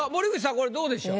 これどうでしょう？